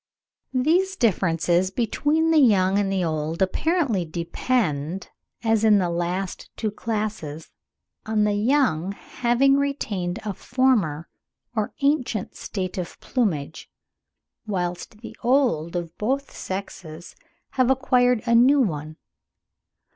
These differences between the young and the old apparently depend, as in the last two classes, on the young having retained a former or ancient state of plumage, whilst the old of both sexes have acquired a new one.